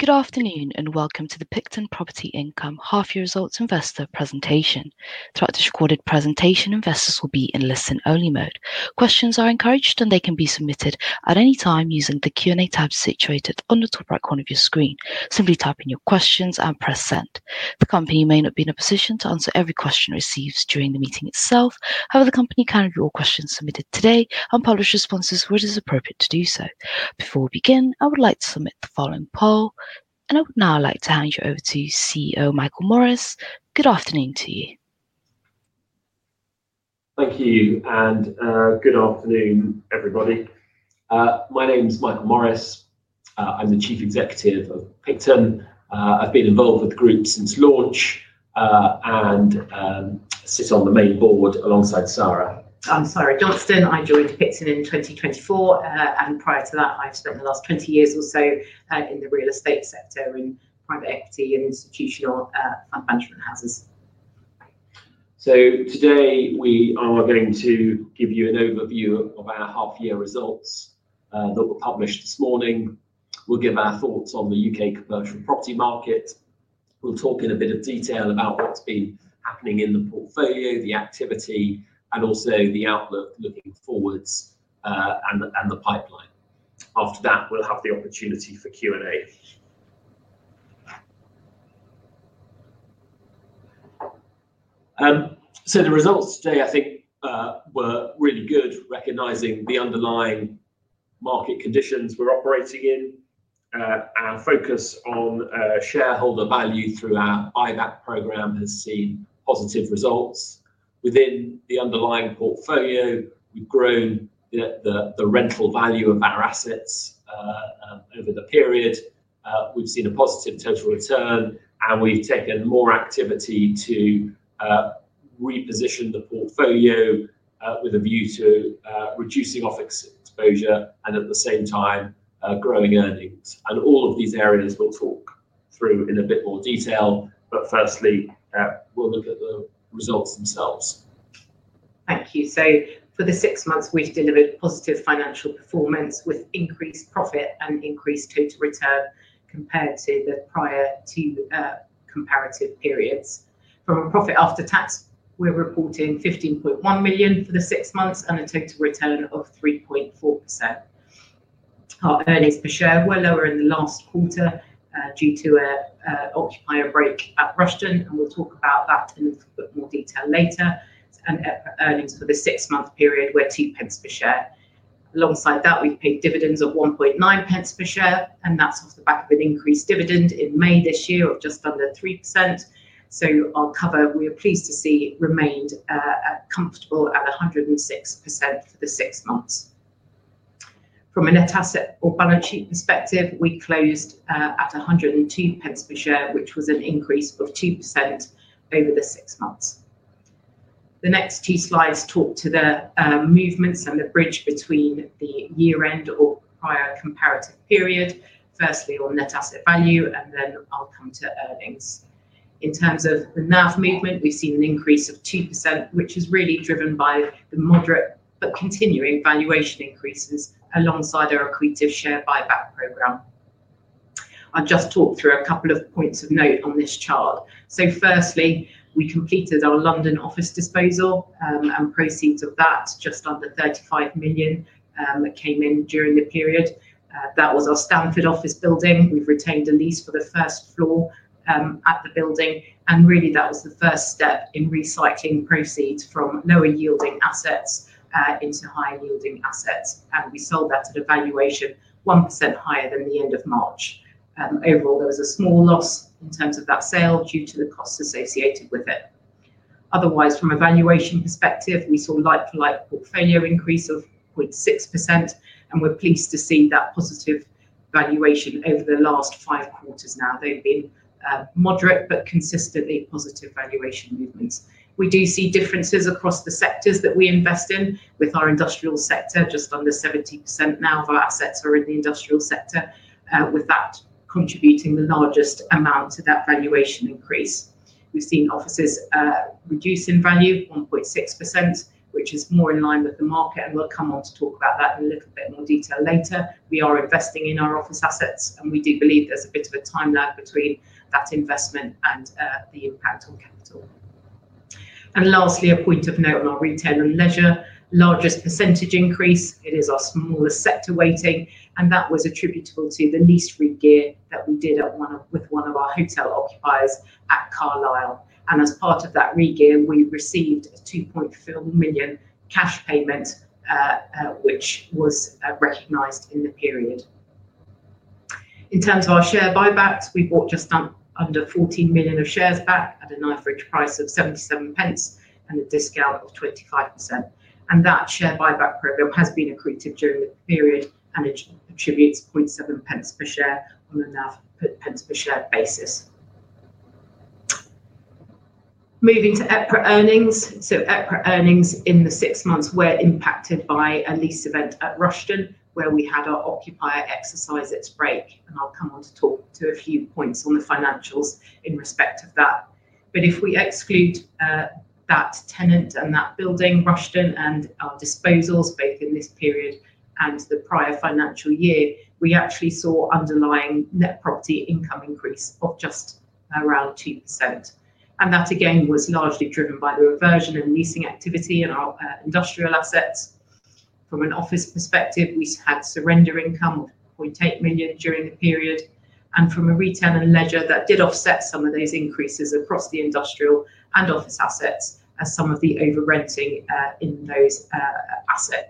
Good afternoon and welcome to the Picton Property Income half-year results investor presentation. Throughout this recorded presentation, investors will be in listen-only mode. Questions are encouraged, and they can be submitted at any time using the Q&A tab situated on the top right corner of your screen. Simply type in your questions and press send. The company may not be in a position to answer every question received during the meeting itself. However, the company can view all questions submitted today and publish responses where it is appropriate to do so. Before we begin, I would like to submit the following poll, and I would now like to hand you over to CEO Michael Morris. Good afternoon to you. Thank you, and good afternoon, everybody. My name's Michael Morris. I'm the Chief Executive of Picton. I've been involved with the group since launch and sit on the main board alongside Saira. I'm Saira Johnston. I joined Picton in 2024, and prior to that, I've spent the last 20 years or so in the real estate sector in private equity and institutional fund management houses. Today we are going to give you an overview of our half-year results that were published this morning. We'll give our thoughts on the U.K. commercial property market. We'll talk in a bit of detail about what's been happening in the portfolio, the activity, and also the outlook looking forwards and the pipeline. After that, we'll have the opportunity for Q&A. The results today, I think, were really good, recognizing the underlying market conditions we're operating in. Our focus on shareholder value through our IBAC program has seen positive results. Within the underlying portfolio, we've grown the rental value of our assets over the period. We've seen a positive total return, and we've taken more activity to reposition the portfolio with a view to reducing office exposure and, at the same time, growing earnings. All of these areas we'll talk through in a bit more detail, but firstly, we'll look at the results themselves. Thank you. For the six months, we have delivered positive financial performance with increased profit and increased total return compared to the prior two comparative periods. From a profit after tax, we are reporting 15.1 million for the six months and a total return of 3.4%. Our earnings per share were lower in the last quarter due to an occupier break at Rushden, and we will talk about that in a bit more detail later. Earnings for the six-month period were 0.02 per share. Alongside that, we have paid dividends of 0.019 per share, and that is off the back of an increased dividend in May this year of just under 3%. Our cover, we are pleased to see, remained comfortable at 106% for the six months. From a net asset or balance sheet perspective, we closed at GB.P 102 per share, which was an increase of 2% over the six months. The next two slides talk to the movements and the bridge between the year-end or prior comparative period, firstly on net asset value, and then I'll come to earnings. In terms of the NAV movement, we've seen an increase of 2%, which is really driven by the moderate but continuing valuation increases alongside our accretive share buyback program. I'll just talk through a couple of points of note on this chart. Firstly, we completed our London office disposal, and proceeds of that, just under 35 million, came in during the period. That was our Stanford office building. We've retained a lease for the first floor at the building, and really that was the first step in recycling proceeds from lower-yielding assets into higher-yielding assets, and we sold that at a valuation 1% higher than the end of March. Overall, there was a small loss in terms of that sale due to the costs associated with it. Otherwise, from a valuation perspective, we saw like-for-like portfolio increase of 0.6%, and we're pleased to see that positive valuation over the last five quarters now. They've been moderate but consistently positive valuation movements. We do see differences across the sectors that we invest in, with our industrial sector just under 70% now. Our assets are in the industrial sector, with that contributing the largest amount to that valuation increase. We've seen offices reducing value 1.6%, which is more in line with the market, and we'll come on to talk about that in a little bit more detail later. We are investing in our office assets, and we do believe there's a bit of a time lag between that investment and the impact on capital. Lastly, a point of note on our retail and leisure: largest percentage increase. It is our smallest sector weighting, and that was attributable to the lease re-gear that we did with one of our hotel occupiers at Carlisle. As part of that re-gear, we received a 2.4 million cash payment, which was recognized in the period. In terms of our share buybacks, we bought just under 14 million of shares back at an average price of 0.77 and a discount of 25%. That share buyback program has been accretive during the period and attributes 0.007 per share on a NAV pence per share basis. Moving to EPRA earnings. EPRA earnings in the six months were impacted by a lease event at Rushden, where we had our occupier exercise its break, and I'll come on to talk to a few points on the financials in respect of that. If we exclude that tenant and that building, Rushden, and our disposals, both in this period and the prior financial year, we actually saw underlying net property income increase of just around 2%. That, again, was largely driven by the reversion and leasing activity in our industrial assets. From an office perspective, we had surrender income of 0.8 million during the period, and from a retail and leisure, that did offset some of those increases across the industrial and office assets as some of the over-renting in those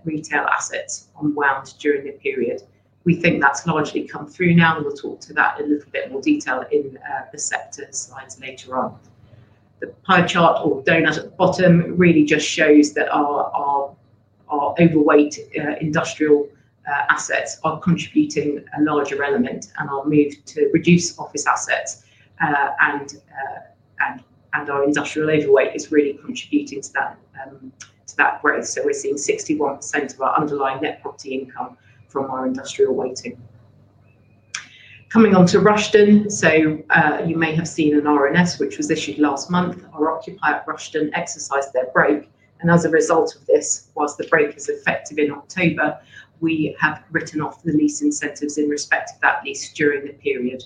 retail assets unwound during the period. We think that's largely come through now, and we'll talk to that in a little bit more detail in the sector slides later on. The pie chart or donut at the bottom really just shows that our overweight industrial assets are contributing a larger element and our move to reduce office assets and our industrial overweight is really contributing to that growth. We're seeing 61% of our underlying net property income from our industrial weighting. Coming on to Rushden, you may have seen an RNS, which was issued last month. Our occupier at Rushden exercised their break, and as a result of this, whilst the break is effective in October, we have written off the lease incentives in respect of that lease during the period.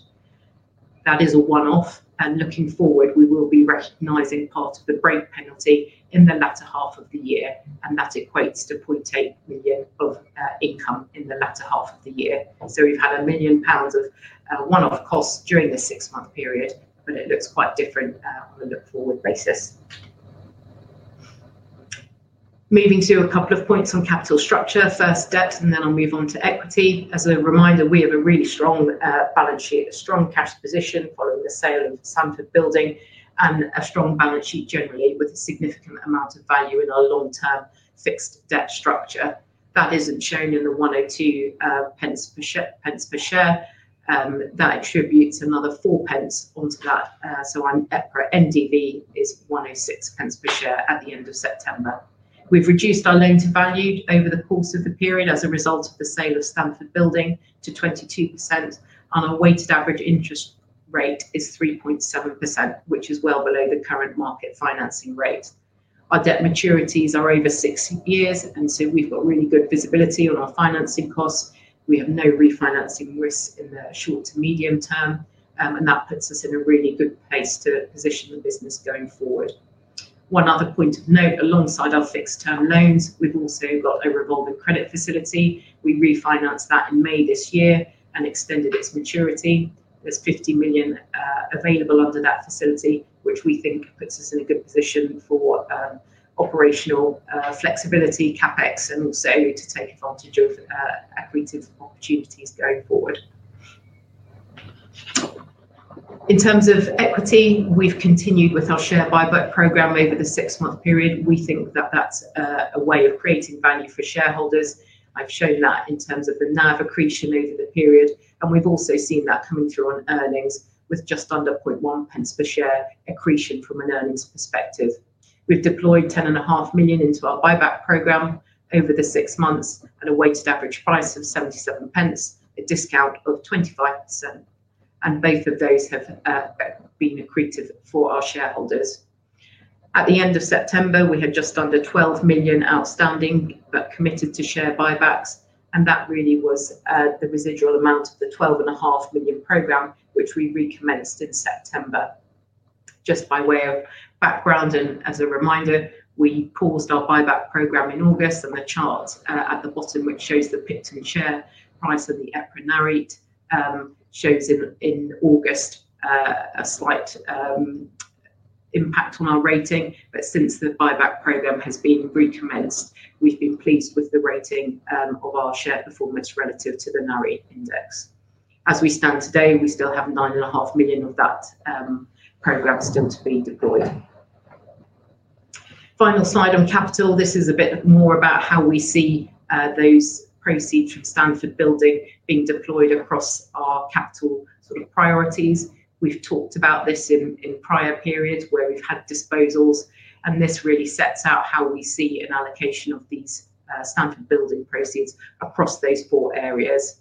That is a one-off, and looking forward, we will be recognizing part of the break penalty in the latter half of the year, and that equates to 0.8 million of income in the latter half of the year. We have had 1 million pounds of one-off costs during the six-month period, but it looks quite different on a look-forward basis. Moving to a couple of points on capital structure. First, debt, and then I'll move on to equity. As a reminder, we have a really strong balance sheet, a strong cash position following the sale of the Stanford building, and a strong balance sheet generally with a significant amount of value in our long-term fixed debt structure. That is not shown in the 1.02 per share. That attributes another 0.04 onto that. So our EPRA NDV is 1.06 per share at the end of September. We have reduced our loan to value over the course of the period as a result of the sale of Stanford building to 22%, and our weighted average interest rate is 3.7%, which is well below the current market financing rate. Our debt maturities are over six years, and we have really good visibility on our financing costs. We have no refinancing risks in the short to medium term, and that puts us in a really good place to position the business going forward. One other point of note, alongside our fixed-term loans, we've also got a revolving credit facility. We refinanced that in May this year and extended its maturity. There's 50 million available under that facility, which we think puts us in a good position for operational flexibility, CapEx, and also to take advantage of accretive opportunities going forward. In terms of equity, we've continued with our share buyback program over the six-month period. We think that that's a way of creating value for shareholders. I've shown that in terms of the NAV accretion over the period, and we've also seen that coming through on earnings with just under 0.001 per share accretion from an earnings perspective. We've deployed 10.5 million into our buyback program over the six months at a weighted average price of 0.77, a discount of 25%, and both of those have been accretive for our shareholders. At the end of September, we had just under 12 million outstanding but committed to share buybacks, and that really was the residual amount of the 12.5 million program, which we recommenced in September. Just by way of background and as a reminder, we paused our buyback program in August, and the chart at the bottom, which shows the Picton share price and the EPRA NAV, shows in August a slight impact on our rating. Since the buyback program has been recommenced, we've been pleased with the rating of our share performance relative to the NAV index. As we stand today, we still have 9.5 million of that program still to be deployed. Final slide on capital. This is a bit more about how we see those proceeds from Stanford building being deployed across our capital sort of priorities. We've talked about this in prior periods where we've had disposals, and this really sets out how we see an allocation of these Stanford building proceeds across those four areas.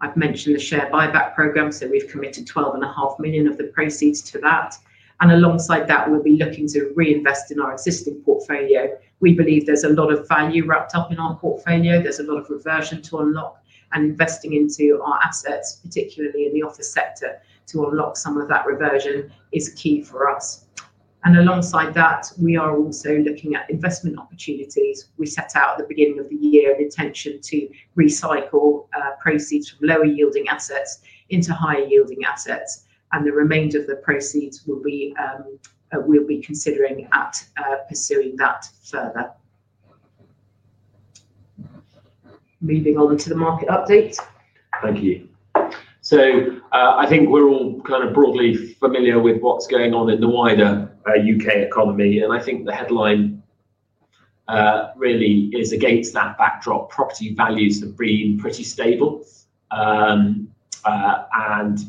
I've mentioned the share buyback program, so we've committed 12.5 million of the proceeds to that. Alongside that, we'll be looking to reinvest in our existing portfolio. We believe there's a lot of value wrapped up in our portfolio. There's a lot of reversion to unlock, and investing into our assets, particularly in the office sector, to unlock some of that reversion is key for us. Alongside that, we are also looking at investment opportunities. We set out at the beginning of the year an intention to recycle proceeds from lower-yielding assets into higher-yielding assets, and the remainder of the proceeds we will be considering at pursuing that further. Moving on to the market update. Thank you. I think we are all kind of broadly familiar with what is going on in the wider U.K. economy, and I think the headline really is against that backdrop. Property values have been pretty stable, and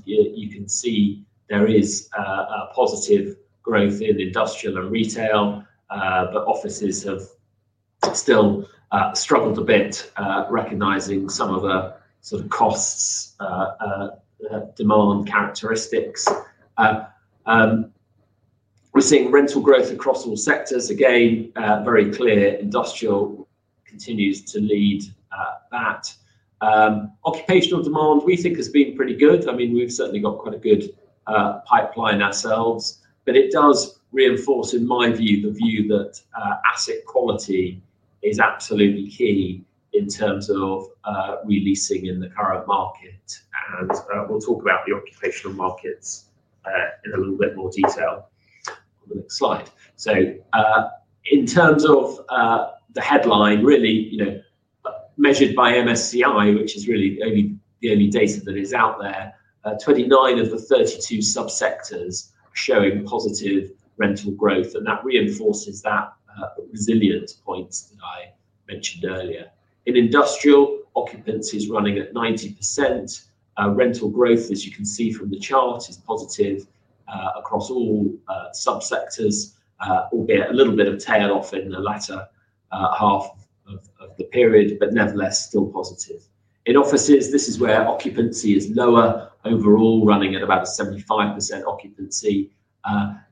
you can see there is a positive growth in Industrial and Retail, but Offices have still struggled a bit, recognizing some of the sort of costs demand characteristics. We are seeing rental growth across all sectors. Again, very clear Industrial continues to lead that. Occupational demand, we think, has been pretty good. I mean, we've certainly got quite a good pipeline ourselves, but it does reinforce, in my view, the view that asset quality is absolutely key in terms of releasing in the current market. We'll talk about the occupational markets in a little bit more detail on the next slide. In terms of the headline, really measured by MSCI, which is really the only data that is out there, 29 of the 32 subsectors showing positive rental growth, and that reinforces that resilience point that I mentioned earlier. In Industrial, occupancy is running at 90%. Rental growth, as you can see from the chart, is positive across all subsectors, albeit a little bit of tail off in the latter half of the period, but nevertheless still positive. In Offices, this is where occupancy is lower, overall running at about 75% occupancy.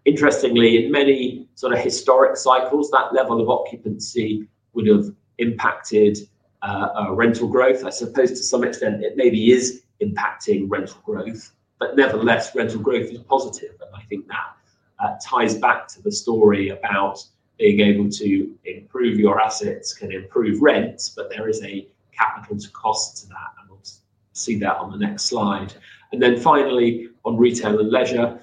Interestingly, in many sort of historic cycles, that level of occupancy would have impacted rental growth. I suppose to some extent it maybe is impacting rental growth, but nevertheless, rental growth is positive, and I think that ties back to the story about being able to improve your assets can improve rent, but there is a capital cost to that, and we will see that on the next slide. Finally, on Retail and Leisure,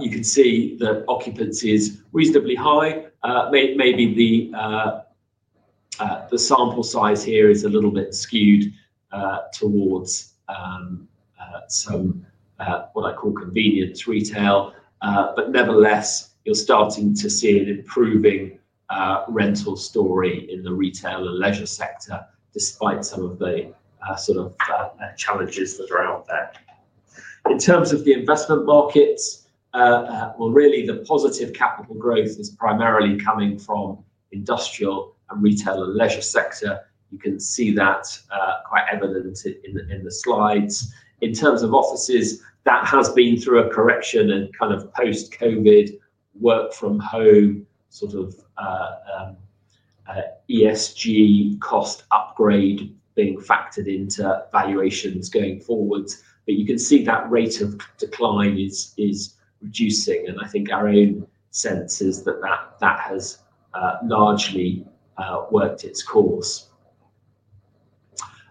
you can see that occupancy is reasonably high. Maybe the sample size here is a little bit skewed towards some what I call convenience retail, but nevertheless, you are starting to see an improving rental story in the Retail and Leisure sector despite some of the sort of challenges that are out there. In terms of the investment markets, the positive capital growth is primarily coming from Industrial and Retail and Leisure sector. You can see that quite evident in the slides. In terms of Offices, that has been through a correction and kind of post-COVID work from home sort of ESG cost upgrade being factored into valuations going forward, but you can see that rate of decline is reducing, and I think our own sense is that that has largely worked its course.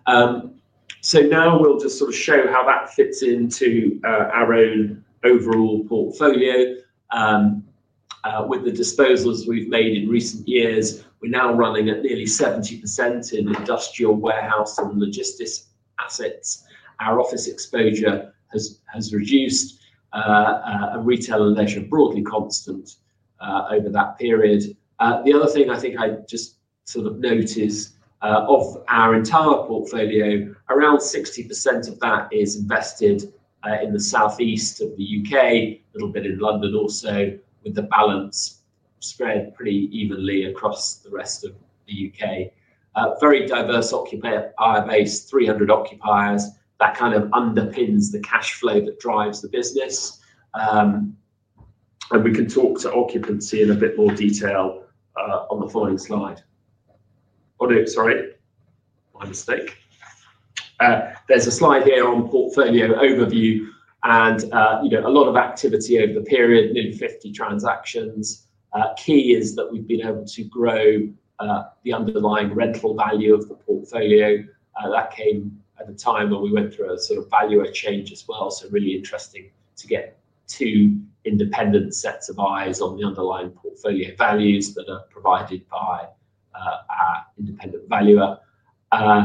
Now we'll just sort of show how that fits into our own overall portfolio. With the disposals we've made in recent years, we're now running at nearly 70% in industrial warehouse and logistics assets. Our Office exposure has reduced, and Retail and Leisure broadly constant over that period. The other thing I think I just sort of notice of our entire portfolio, around 60% of that is invested in the southeast of the U.K., a little bit in London also, with the balance spread pretty evenly across the rest of the U.K. Very diverse occupier base, 300 occupiers. That kind of underpins the cash flow that drives the business, and we can talk to occupancy in a bit more detail on the following slide. Sorry, my mistake. There is a slide here on portfolio overview and a lot of activity over the period, nearly 50 transactions. Key is that we have been able to grow the underlying rental value of the portfolio. That came at a time when we went through a sort of valuer change as well, so really interesting to get two independent sets of eyes on the underlying portfolio values that are provided by our independent valuer.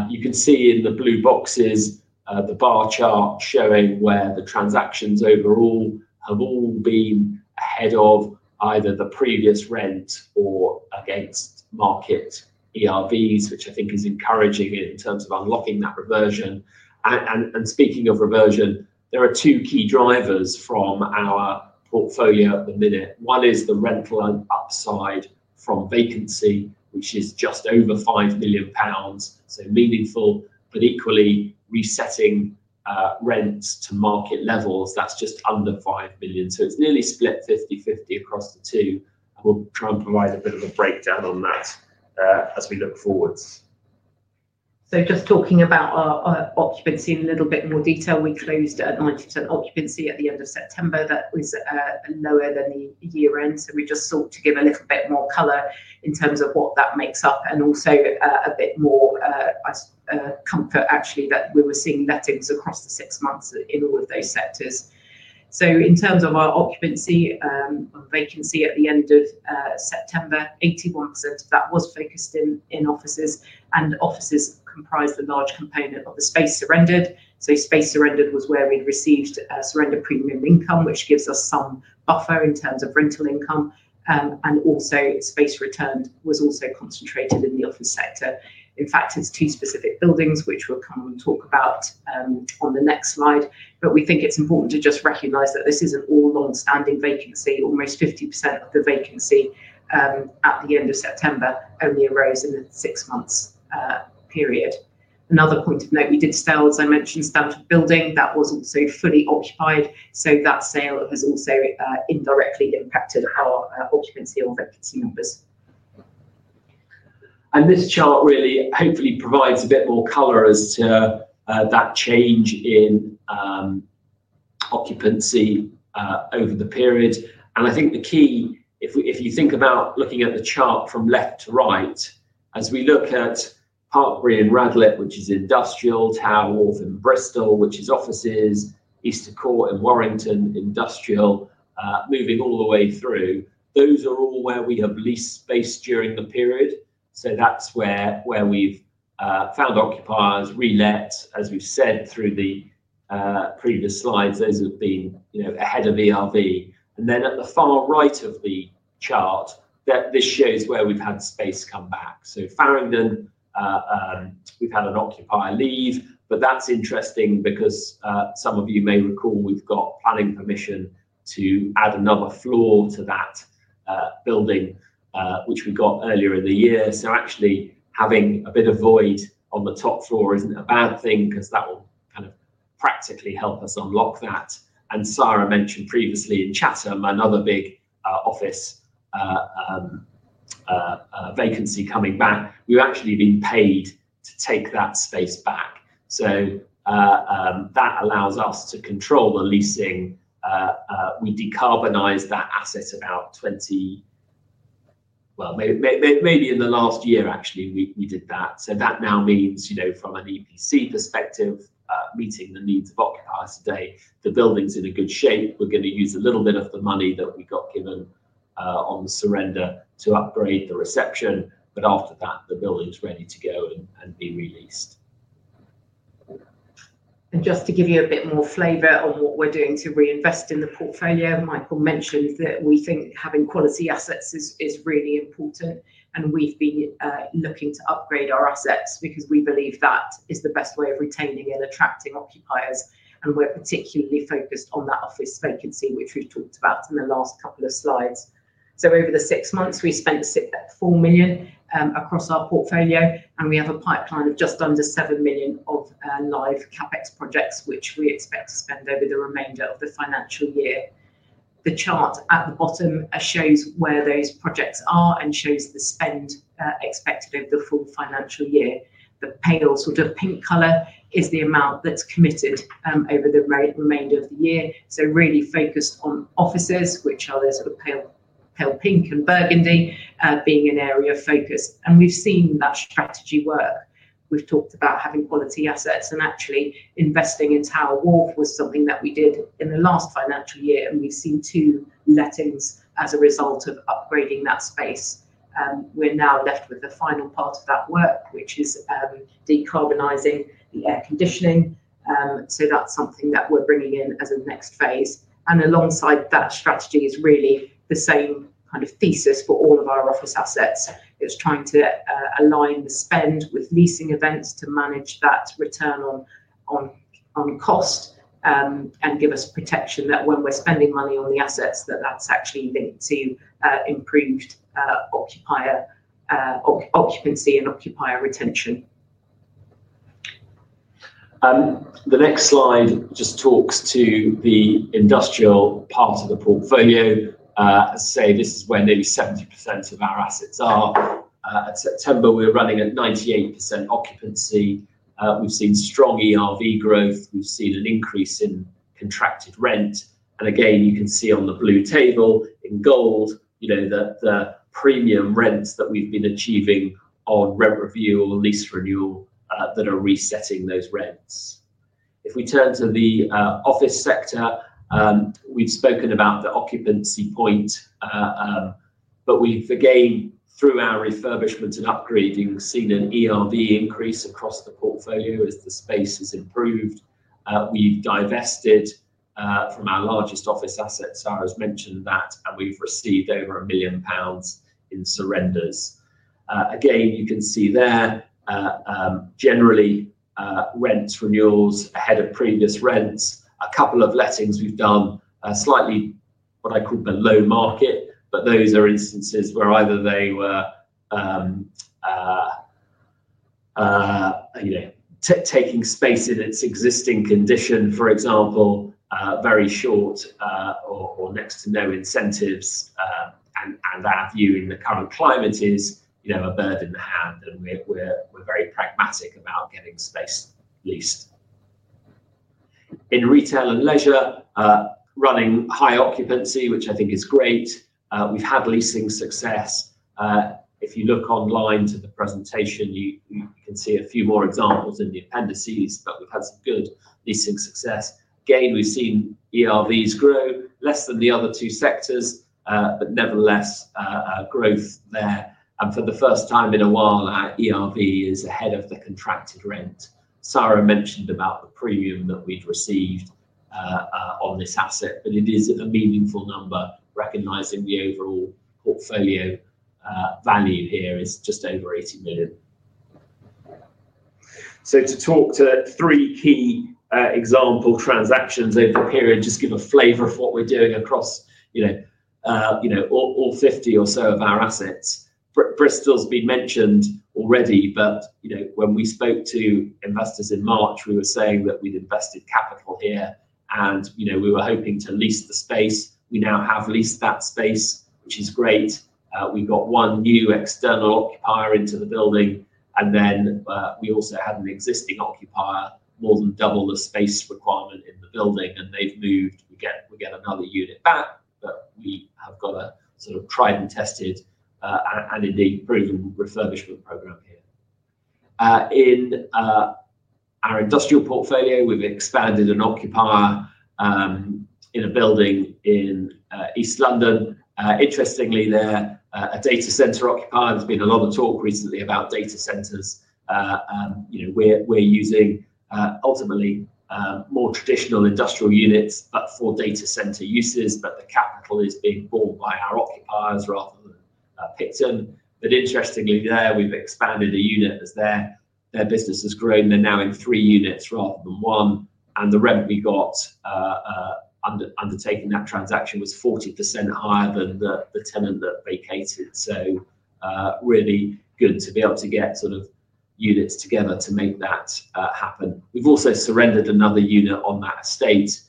You can see in the blue boxes the bar chart showing where the transactions overall have all been ahead of either the previous rent or against market ERVs, which I think is encouraging in terms of unlocking that reversion. Speaking of reversion, there are two key drivers from our portfolio at the minute. One is the rental upside from vacancy, which is just over 5 million pounds, so meaningful, but equally resetting rents to market levels, that's just under 5 million. It is nearly split 50/50 across the two, and we will try and provide a bit of a breakdown on that as we look forward. Just talking about occupancy in a little bit more detail, we closed at 90% occupancy at the end of September. That was lower than the year-end, so we just sought to give a little bit more color in terms of what that makes up and also a bit more comfort actually that we were seeing lettings across the six months in all of those sectors. In terms of our occupancy on vacancy at the end of September, 81% of that was focused in offices, and offices comprised a large component of the space surrendered. Space surrendered was where we'd received surrender premium income, which gives us some buffer in terms of rental income, and also space returned was also concentrated in the office sector. In fact, it is two specific buildings which we'll come and talk about on the next slide, but we think it's important to just recognize that this is an all long-standing vacancy. Almost 50% of the vacancy at the end of September only arose in the six-month period. Another point of note, we did sell, as I mentioned, Stanford Building. That was also fully occupied, so that sale has also indirectly impacted our occupancy or vacancy numbers. This chart really hopefully provides a bit more color as to that change in occupancy over the period. I think the key, if you think about looking at the chart from left to right, as we look at Parkbury and Radlett, which is industrial, Tower Wharf in Bristol, which is offices, Easter Court in Warrington, industrial, moving all the way through, those are all where we have leased space during the period. That is where we have found occupiers, relet, as we have said through the previous slides, those have been ahead of ERV. At the far right of the chart, this shows where we've had space come back. Farringdon, we've had an occupier leave, but that's interesting because some of you may recall we've got planning permission to add another floor to that building, which we got earlier in the year. Actually, having a bit of void on the top floor isn't a bad thing because that will kind of practically help us unlock that. Saira mentioned previously in Chatham, another big office vacancy coming back, we've actually been paid to take that space back. That allows us to control the leasing. We decarbonized that asset about 20, well, maybe in the last year actually we did that. That now means from an EPC perspective, meeting the needs of occupiers today, the building's in good shape. We're going to use a little bit of the money that we got given on surrender to upgrade the reception, but after that, the building's ready to go and be released. To give you a bit more flavor on what we're doing to reinvest in the portfolio, Michael mentioned that we think having quality assets is really important, and we've been looking to upgrade our assets because we believe that is the best way of retaining and attracting occupiers. We're particularly focused on that office vacancy, which we've talked about in the last couple of slides. Over the six months, we spent 4 million across our portfolio, and we have a pipeline of just under 7 million of live CapEx projects, which we expect to spend over the remainder of the financial year. The chart at the bottom shows where those projects are and shows the spend expected over the full financial year. The pale sort of pink color is the amount that's committed over the remainder of the year. Really focused on offices, which are those sort of pale pink and burgundy being an area of focus. We've seen that strategy work. We've talked about having quality assets, and actually investing in Tower Wharf was something that we did in the last financial year, and we've seen two lettings as a result of upgrading that space. We're now left with the final part of that work, which is decarbonizing the air conditioning. That's something that we're bringing in as a next phase. Alongside that strategy is really the same kind of thesis for all of our office assets. It's trying to align the spend with leasing events to manage that return on cost and give us protection that when we're spending money on the assets, that's actually linked to improved occupancy and occupier retention. The next slide just talks to the Industrial part of the portfolio. As I say, this is where nearly 70% of our assets are. At September, we're running at 98% occupancy. We've seen strong ERV growth. We've seen an increase in contracted rent. You can see on the blue table in gold, the premium rents that we've been achieving on rent review or lease renewal that are resetting those rents. If we turn to the office sector, we've spoken about the occupancy point, but we've again, through our refurbishment and upgrading, seen an ERV increase across the portfolio as the space has improved. We've divested from our largest office asset, Saira's mentioned that, and we've received over 1 million pounds in surrenders. Again, you can see there, generally, rent renewals ahead of previous rents. A couple of lettings we've done slightly, what I call below market, but those are instances where either they were taking space in its existing condition, for example, very short or next to no incentives, and our view in the current climate is a bird in the hand, and we're very pragmatic about getting space leased. In Retail and Leisure, running high occupancy, which I think is great. We've had leasing success. If you look online to the presentation, you can see a few more examples in the appendices, but we've had some good leasing success. Again, we've seen ERVs grow, less than the other two sectors, but nevertheless, growth there. For the first time in a while, our ERV is ahead of the contracted rent. Saira mentioned about the premium that we had received on this asset, but it is a meaningful number, recognizing the overall portfolio value here is just over 80 million. To talk to three key example transactions over the period, just to give a flavor of what we are doing across all 50 or so of our assets. Bristol has been mentioned already. When we spoke to investors in March, we were saying that we had invested capital here, and we were hoping to lease the space. We now have leased that space, which is great. We got one new external occupier into the building, and we also had an existing occupier more than double the space requirement in the building, and they have moved. We get another unit back, but we have got a sort of tried and tested and indeed proven refurbishment program here. In our Industrial portfolio, we've expanded an occupier in a building in East London. Interestingly, they're a data center occupier. There's been a lot of talk recently about data centers. We're using ultimately more traditional industrial units, but for data center uses, but the capital is being bought by our occupiers rather than Picton. Interestingly there, we've expanded a unit as their business has grown. They're now in three units rather than one, and the rent we got undertaking that transaction was 40% higher than the tenant that vacated. Really good to be able to get sort of units together to make that happen. We've also surrendered another unit on that estate.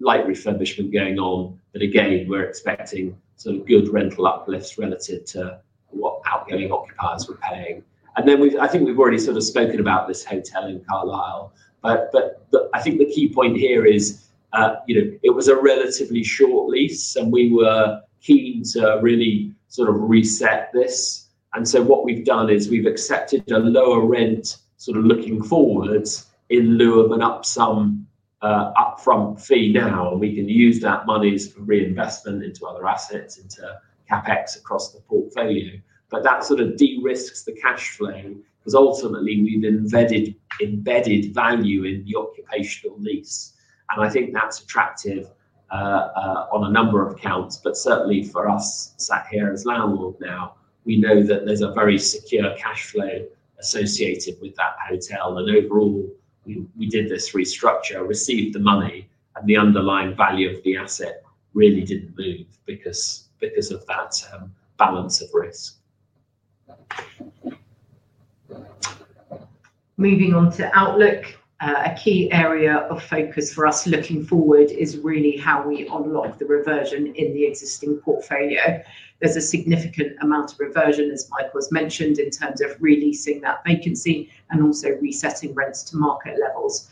Light refurbishment going on, but again, we're expecting sort of good rental uplifts relative to what outgoing occupiers were paying. I think we've already sort of spoken about this hotel in Carlisle, but I think the key point here is it was a relatively short lease, and we were keen to really sort of reset this. What we've done is we've accepted a lower rent sort of looking forwards in lieu of an upfront fee now, and we can use that money for reinvestment into other assets, into CapEx across the portfolio. That sort of de-risks the cash flow because ultimately we've embedded value in the occupational lease, and I think that's attractive on a number of counts. Certainly for us sat here as landlord now, we know that there's a very secure cash flow associated with that hotel. Overall, we did this restructure, received the money, and the underlying value of the asset really did not move because of that balance of risk. Moving on to Outlook, a key area of focus for us looking forward is really how we unlock the reversion in the existing portfolio. There is a significant amount of reversion, as Michael has mentioned, in terms of releasing that vacancy and also resetting rents to market levels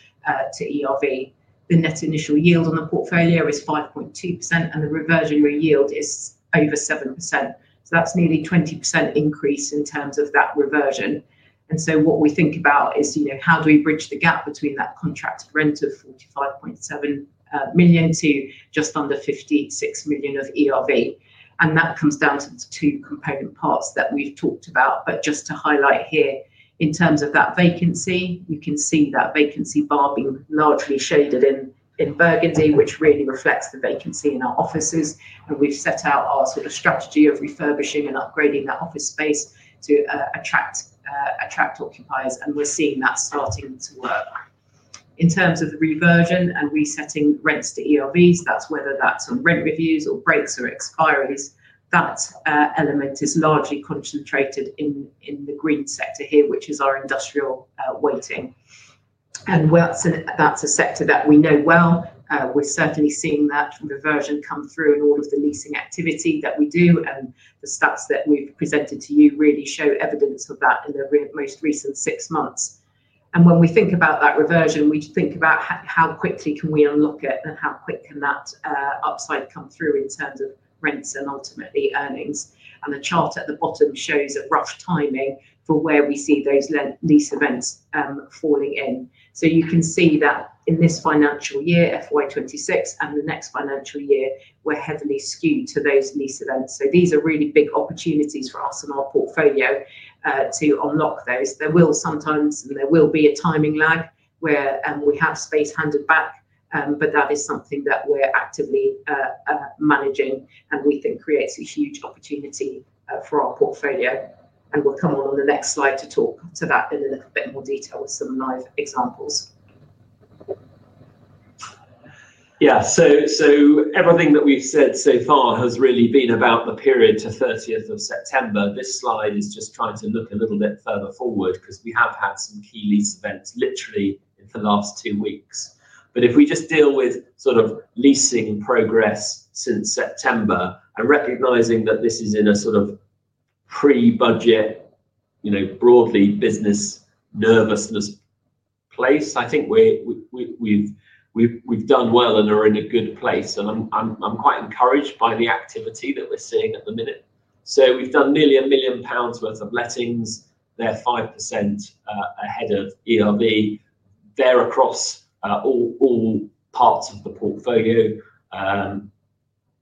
to ERV. The net initial yield on the portfolio is 5.2%, and the reversion yield is over 7%. That is nearly a 20% increase in terms of that reversion. What we think about is how do we bridge the gap between that contracted rent of 45.7 million to just under 56 million of ERV? That comes down to the two component parts that we have talked about. Just to highlight here, in terms of that vacancy, you can see that vacancy bar being largely shaded in burgundy, which really reflects the vacancy in our offices. We have set out our sort of strategy of refurbishing and upgrading that office space to attract occupiers, and we are seeing that starting to work. In terms of the reversion and resetting rents to ERVs, that is whether that is on rent reviews or breaks or expiries. That element is largely concentrated in the green sector here, which is our industrial weighting. That is a sector that we know well. We are certainly seeing that reversion come through in all of the leasing activity that we do, and the stats that we have presented to you really show evidence of that in the most recent six months. When we think about that reversion, we think about how quickly can we unlock it and how quick can that upside come through in terms of rents and ultimately earnings. The chart at the bottom shows a rough timing for where we see those lease events falling in. You can see that in this financial year, FY 2026, and the next financial year, we're heavily skewed to those lease events. These are really big opportunities for us in our portfolio to unlock those. There will sometimes be a timing lag where we have space handed back, but that is something that we're actively managing, and we think creates a huge opportunity for our portfolio. We'll come on the next slide to talk to that in a little bit more detail with some live examples. Yeah. Everything that we've said so far has really been about the period to 30th of September. This slide is just trying to look a little bit further forward because we have had some key lease events literally in the last two weeks. If we just deal with sort of leasing progress since September and recognizing that this is in a sort of pre-budget, broadly business nervousness place, I think we've done well and are in a good place. I'm quite encouraged by the activity that we're seeing at the minute. We've done nearly 1 million pounds worth of lettings. They're 5% ahead of ERV. They're across all parts of the portfolio: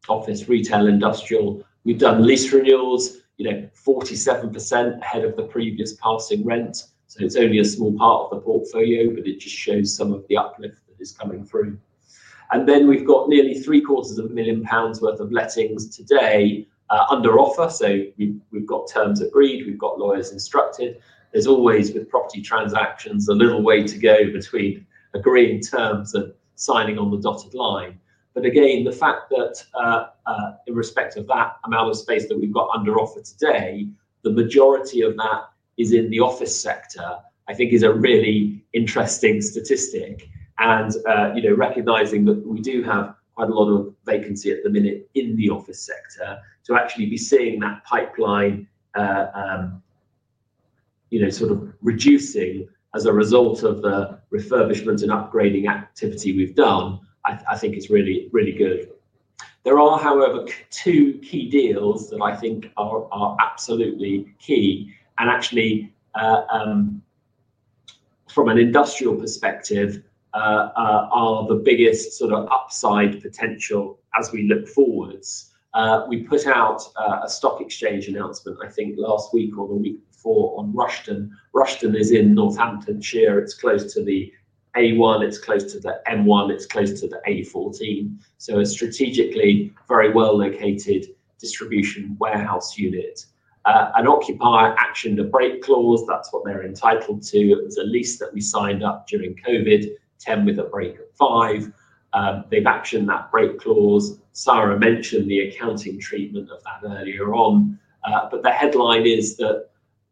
office, retail, industrial. We've done lease renewals, 47% ahead of the previous passing rent. It's only a small part of the portfolio, but it just shows some of the uplift that is coming through. We have nearly 750,000 pounds worth of lettings today under offer. We have terms agreed. We have lawyers instructed. There is always, with property transactions, a little way to go between agreeing terms and signing on the dotted line. The fact that in respect of that amount of space that we have under offer today, the majority of that is in the office sector, I think is a really interesting statistic. Recognizing that we do have quite a lot of vacancy at the minute in the office sector, to actually be seeing that pipeline sort of reducing as a result of the refurbishment and upgrading activity we have done, I think is really good. There are, however, two key deals that I think are absolutely key and actually, from an industrial perspective, are the biggest sort of upside potential as we look forwards. We put out a stock exchange announcement, I think, last week or the week before on Rushden. Rushden is in Northamptonshire. It is close to the A1. It is close to the M1. It is close to the A14. So a strategically very well-located distribution warehouse unit. An occupier actioned a break clause. That is what they are entitled to. It was a lease that we signed up during COVID, 10 with a break of 5. They have actioned that break clause. Saira mentioned the accounting treatment of that earlier on. The headline is that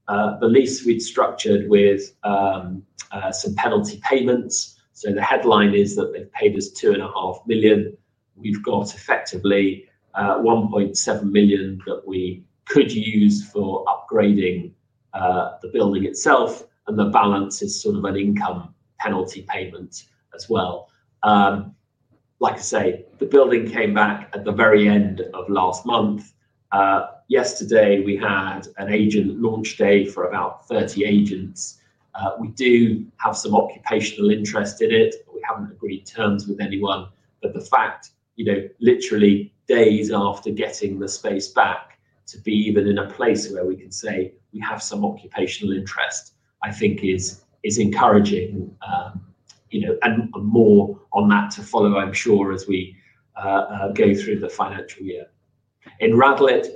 the lease we had structured with some penalty payments. The headline is that they have paid us 2.5 million. We've got effectively 1.7 million that we could use for upgrading the building itself, and the balance is sort of an income penalty payment as well. Like I say, the building came back at the very end of last month. Yesterday, we had an agent launch day for about 30 agents. We do have some occupational interest in it. We haven't agreed terms with anyone. The fact, literally days after getting the space back, to be even in a place where we can say we have some occupational interest, I think is encouraging. More on that to follow, I'm sure, as we go through the financial year. In Radlett,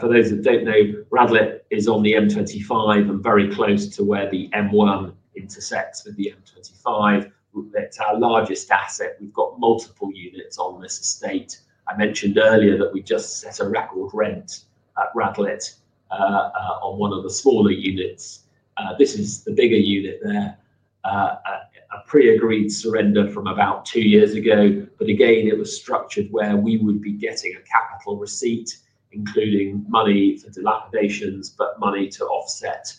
for those that don't know, Radlett is on the M25 and very close to where the M1 intersects with the M25. It's our largest asset. We've got multiple units on this estate. I mentioned earlier that we just set a record rent at Radlett on one of the smaller units. This is the bigger unit there, a pre-agreed surrender from about two years ago. It was structured where we would be getting a capital receipt, including money for dilapidations, but money to offset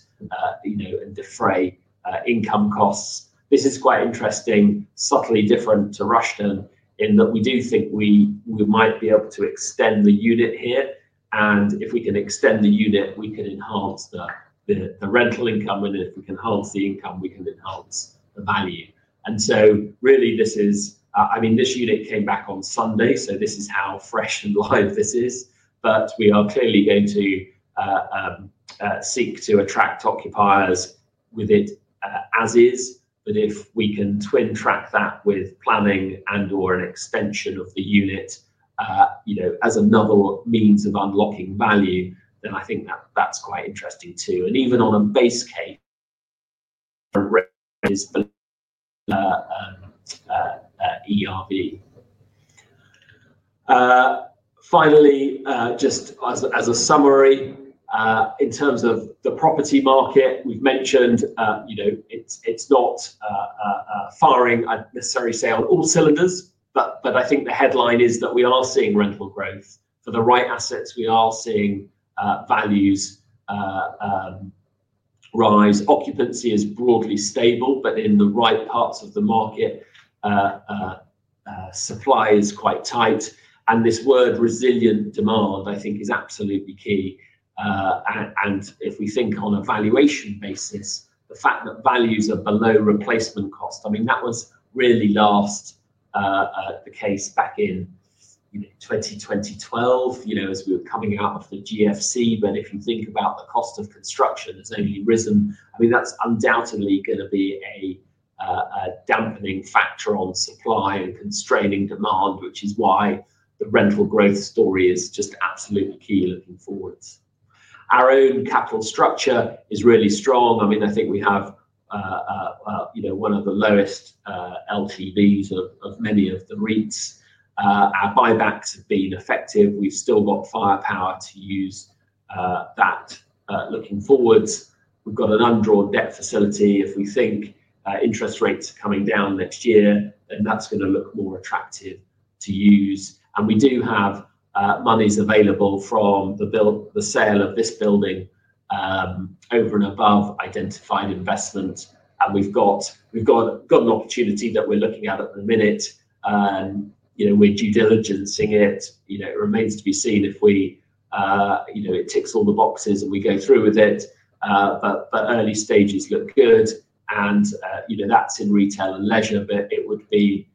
and defray income costs. This is quite interesting, subtly different to Rushden in that we do think we might be able to extend the unit here. If we can extend the unit, we can enhance the rental income, and if we can enhance the income, we can enhance the value. This unit came back on Sunday, so this is how fresh and live this is. We are clearly going to seek to attract occupiers with it as is. If we can twin-track that with planning and/or an extension of the unit as another means of unlocking value, then I think that's quite interesting too. Even on a base case, ERV. Finally, just as a summary, in terms of the property market, we've mentioned it's not firing, I'd necessarily say, on all cylinders, but I think the headline is that we are seeing rental growth. For the right assets, we are seeing values rise. Occupancy is broadly stable, but in the right parts of the market, supply is quite tight. This word, resilient demand, I think, is absolutely key. If we think on a valuation basis, the fact that values are below replacement cost, I mean, that was really last the case back in 2012 as we were coming out of the GFC. If you think about the cost of construction, it's only risen. I mean, that's undoubtedly going to be a dampening factor on supply and constraining demand, which is why the rental growth story is just absolutely key looking forwards. Our own capital structure is really strong. I mean, I think we have one of the lowest LTVs of many of the REITs. Our buybacks have been effective. We've still got firepower to use that looking forwards. We've got an undrawn debt facility. If we think interest rates are coming down next year, then that's going to look more attractive to use. We do have monies available from the sale of this building over and above identified investment. We've got an opportunity that we're looking at at the minute. We're due diligenceing it. It remains to be seen if it ticks all the boxes and we go through with it. Early stages look good. That is in retail and leisure, but it would be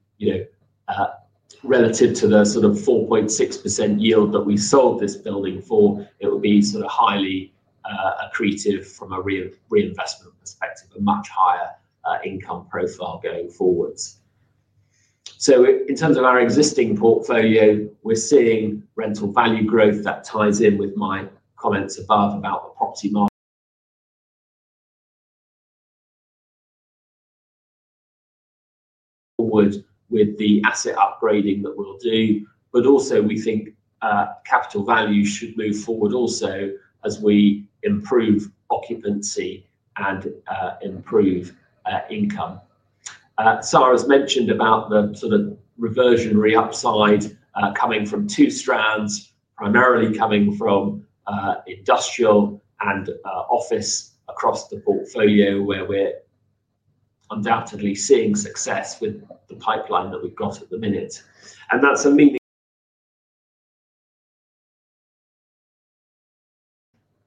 relative to the sort of 4.6% yield that we sold this building for. It would be highly accretive from a reinvestment perspective, a much higher income profile going forward. In terms of our existing portfolio, we are seeing rental value growth that ties in with my comments above about the property market with the asset upgrading that we will do. We think capital value should move forward also as we improve occupancy and improve income. Saira's mentioned about the reversionary upside coming from two strands, primarily coming from Industrial and Office across the portfolio where we are undoubtedly seeing success with the pipeline that we have at the minute. That is meaning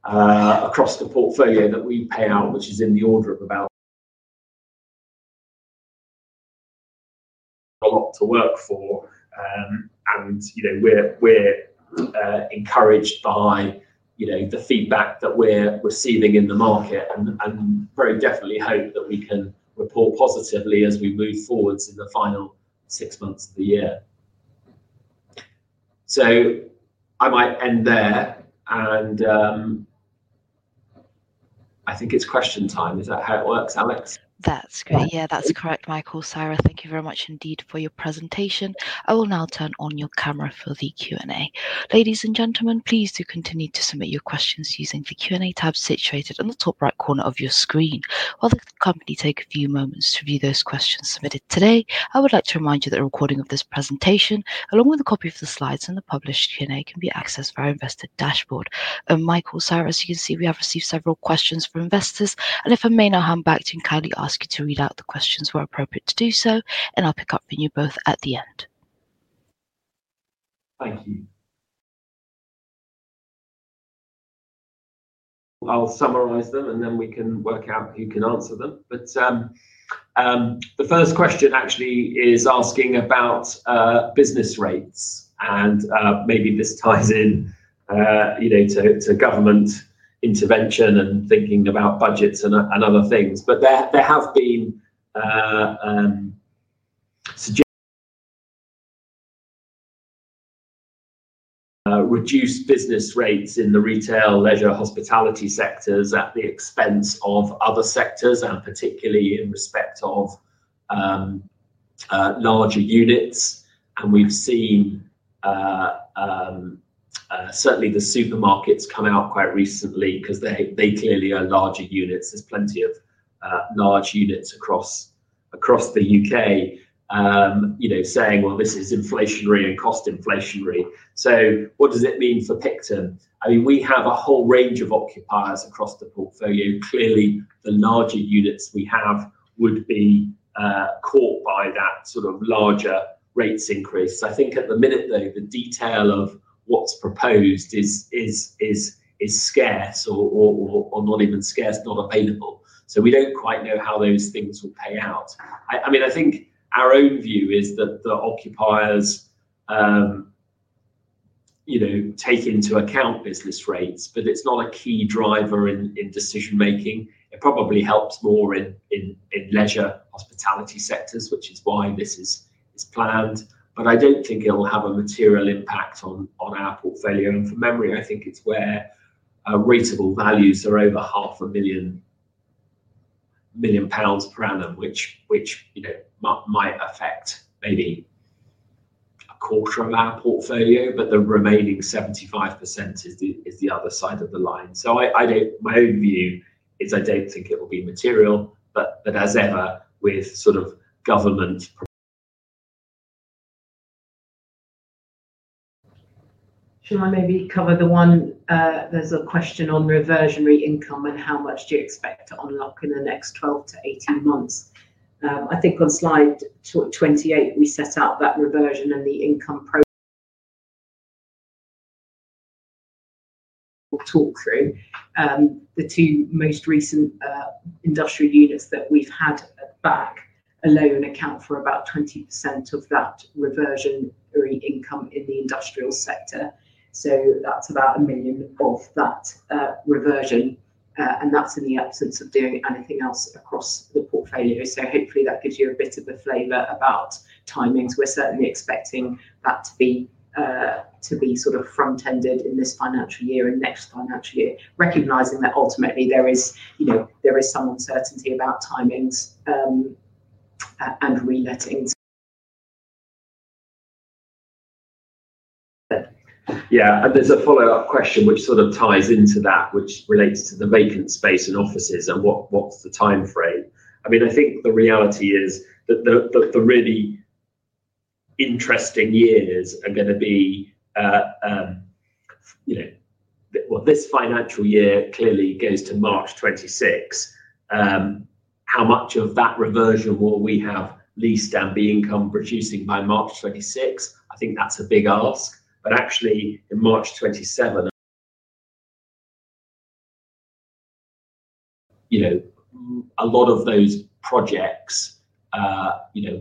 across the portfolio that we pay out, which is in the order of about a lot to work for. We're encouraged by the feedback that we're receiving in the market and very definitely hope that we can report positively as we move forwards in the final six months of the year. I might end there. I think it's question time. Is that how it works, Alex? That's great. Yeah, that's correct, Michael. Saira, thank you very much indeed for your presentation. I will now turn on your camera for the Q&A. Ladies and gentlemen, please do continue to submit your questions using the Q&A tab situated on the top right corner of your screen. While the company takes a few moments to review those questions submitted today, I would like to remind you that a recording of this presentation, along with a copy of the slides and the published Q&A, can be accessed via Investor Dashboard. Michael, Saira, as you can see, we have received several questions from investors. If I may now hand back to you and kindly ask you to read out the questions where appropriate to do so, I will pick up on you both at the end. Thank you. I will summarize them, and then we can work out who can answer them. The first question actually is asking about business rates. Maybe this ties in to government intervention and thinking about budgets and other things. There have been reduced business rates in the retail, leisure, hospitality sectors at the expense of other sectors, particularly in respect of larger units. We have seen certainly the supermarkets come out quite recently because they clearly are larger units. There's plenty of large units across the U.K. saying, "Well, this is inflationary and cost inflationary." What does it mean for Picton? I mean, we have a whole range of occupiers across the portfolio. Clearly, the larger units we have would be caught by that sort of larger rates increase. I think at the minute, though, the detail of what's proposed is scarce or not even scarce, not available. We don't quite know how those things will pay out. I mean, I think our own view is that the occupiers take into account business rates, but it's not a key driver in decision-making. It probably helps more in leisure, hospitality sectors, which is why this is planned. I don't think it'll have a material impact on our portfolio. For memory, I think it is where reasonable values are over 500,000 pounds per annum, which might affect maybe a quarter of our portfolio, but the remaining 75% is the other side of the line. My own view is I do not think it will be material, but as ever with sort of government. Shall I maybe cover the one? There is a question on reversionary income and how much do you expect to unlock in the next 12-18 months? I think on slide 28, we set out that reversion and the income talk through the two most recent industrial units that we have had back alone account for about 20% of that reversionary income in the industrial sector. That is about 1 million of that reversion. That is in the absence of doing anything else across the portfolio. Hopefully, that gives you a bit of a flavor about timings. We're certainly expecting that to be sort of front-ended in this financial year and next financial year, recognizing that ultimately there is some uncertainty about timings and reletting. Yeah. There's a follow-up question which sort of ties into that, which relates to the vacant space and offices and what's the time frame. I mean, I think the reality is that the really interesting years are going to be this financial year clearly goes to March 2026. How much of that reversion will we have leased down the income producing by March 2026? I think that's a big ask. Actually, in March 2027, a lot of those projects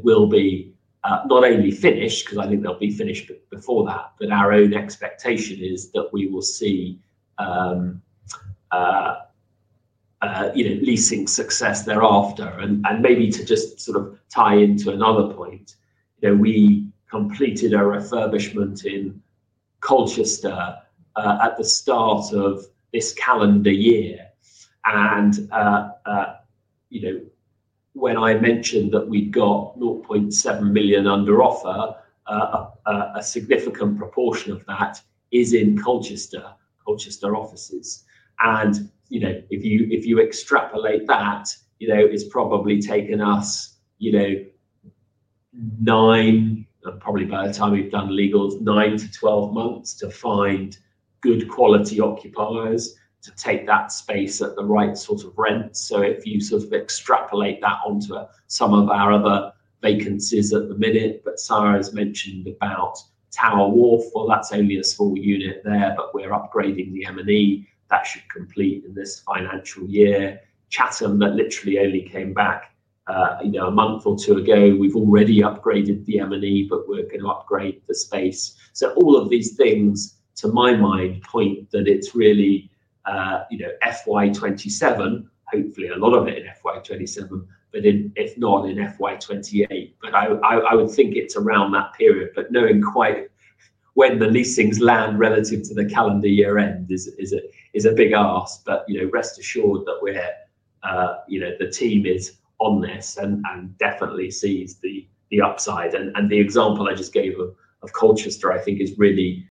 will be not only finished because I think they'll be finished before that, but our own expectation is that we will see leasing success thereafter. Maybe to just sort of tie into another point, we completed a refurbishment in Colchester at the start of this calendar year. When I mentioned that we got 0.7 million under offer, a significant proportion of that is in Colchester, Colchester offices. If you extrapolate that, it's probably taken us nine, and probably by the time we've done legals, nine to 12 months to find good quality occupiers to take that space at the right sort of rent. If you sort of extrapolate that onto some of our other vacancies at the minute, Saira has mentioned about Tower Wharf. That's only a small unit there, but we're upgrading the M&E. That should complete in this financial year. Chatham, that literally only came back a month or two ago, we've already upgraded the M&E, but we're going to upgrade the space. All of these things, to my mind, point that it's really FY 2027, hopefully a lot of it in FY 2027, but if not in FY 2028. I would think it's around that period. Knowing quite when the leasings land relative to the calendar year end is a big ask. Rest assured that the team is on this and definitely sees the upside. The example I just gave of Colchester, I think, is really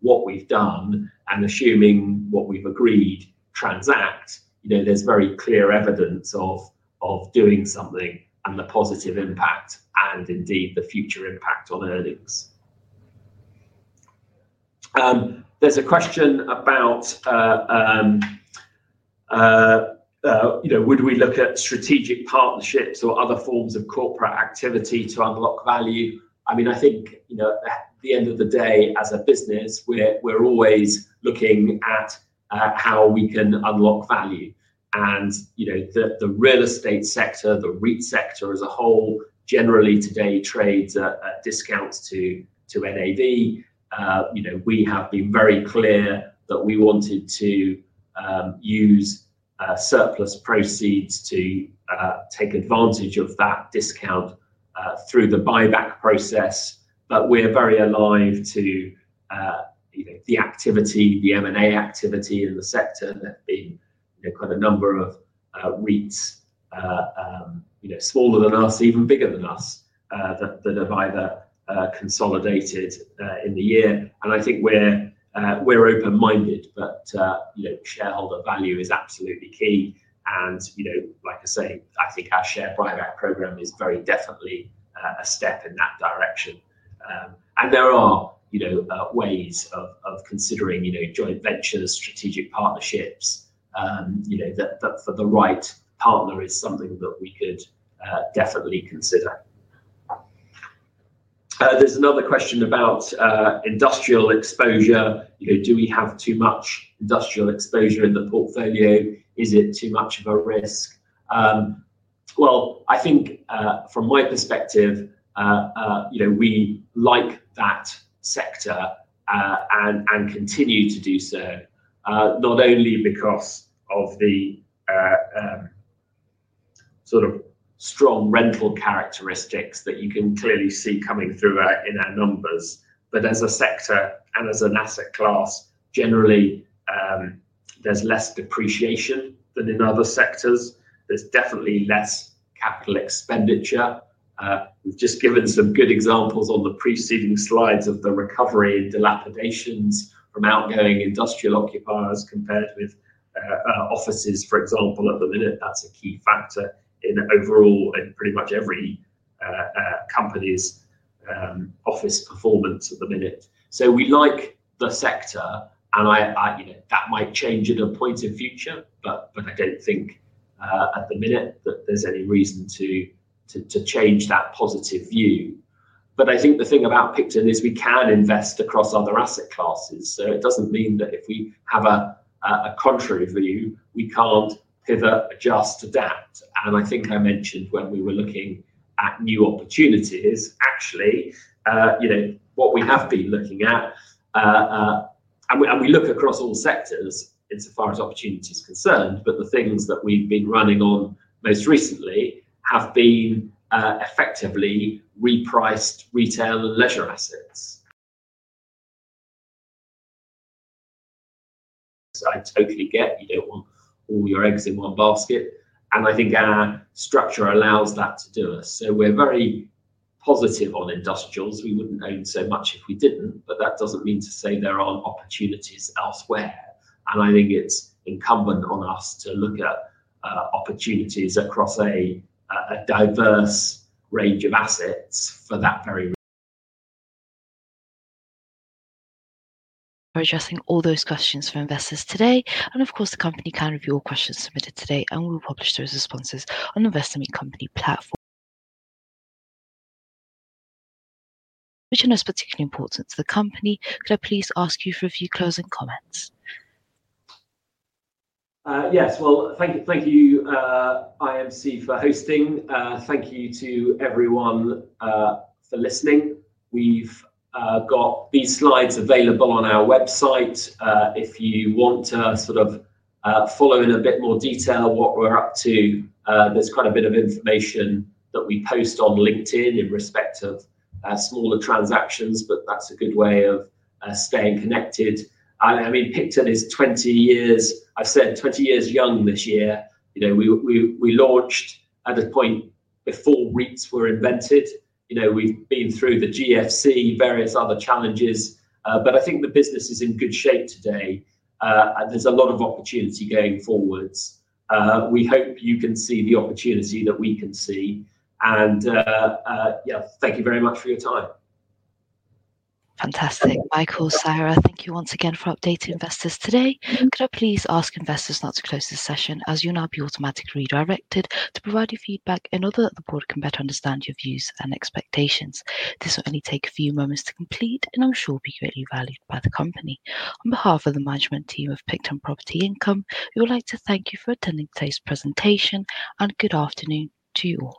what we've done and assuming what we've agreed transacts, there's very clear evidence of doing something and the positive impact and indeed the future impact on earnings. There's a question about, would we look at strategic partnerships or other forms of corporate activity to unlock value? I mean, I think at the end of the day, as a business, we're always looking at how we can unlock value. The real estate sector, the REIT sector as a whole, generally today trades at discounts to NAV. We have been very clear that we wanted to use surplus proceeds to take advantage of that discount through the buyback process. We are very alive to the activity, the M&A activity in the sector. There have been quite a number of REITs smaller than us, even bigger than us, that have either consolidated in the year. I think we are open-minded, but shareholder value is absolutely key. Like I say, I think our share buyback program is very definitely a step in that direction. There are ways of considering joint ventures, strategic partnerships, but for the right partner is something that we could definitely consider. There is another question about industrial exposure. Do we have too much industrial exposure in the portfolio? Is it too much of a risk? I think from my perspective, we like that sector and continue to do so, not only because of the sort of strong rental characteristics that you can clearly see coming through in our numbers, but as a sector and as an asset class, generally, there is less depreciation than in other sectors. There is definitely less capital expenditure. We have just given some good examples on the preceding slides of the recovery and dilapidations from outgoing industrial occupiers compared with offices, for example, at the minute. That is a key factor in overall and pretty much every company's office performance at the minute. We like the sector, and that might change at a point in future, but I do not think at the minute that there is any reason to change that positive view. I think the thing about Picton is we can invest across other asset classes. It does not mean that if we have a contrary view, we cannot pivot, adjust, adapt. I think I mentioned when we were looking at new opportunities, actually, what we have been looking at, and we look across all sectors insofar as opportunity is concerned, but the things that we have been running on most recently have been effectively repriced retail and leisure assets. I totally get you do not want all your eggs in one basket. I think our structure allows that to do us. We are very positive on industrials. We would not own so much if we did not, but that does not mean to say there are not opportunities elsewhere. I think it is incumbent on us to look at opportunities across a diverse range of assets for that very reason. We are addressing all those questions from investors today. Of course, the company can review all questions submitted today, and we will publish those responses on the Investor Meet Company platform. Which are most particularly important to the company? Could I please ask you for a few closing comments? Yes. Thank you, IMC, for hosting. Thank you to everyone for listening. We have these slides available on our website. If you want to sort of follow in a bit more detail what we are up to, there is quite a bit of information that we post on LinkedIn in respect of smaller transactions, but that is a good way of staying connected. I mean, Picton is 20 years—I have said 20 years young this year. We launched at a point before REITs were invented. We have been through the GFC, various other challenges. I think the business is in good shape today. There is a lot of opportunity going forwards. We hope you can see the opportunity that we can see. Yeah, thank you very much for your time. Fantastic. Michael, Saira, thank you once again for updating investors today. Could I please ask investors not to close the session as you'll now be automatically redirected to provide your feedback in order that the board can better understand your views and expectations? This will only take a few moments to complete, and I'm sure it will be greatly valued by the company. On behalf of the management team of Picton Property Income, we would like to thank you for attending today's presentation, and good afternoon to you all.